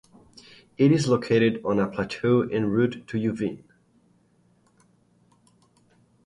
It is located on a plateau en route to Yufuin.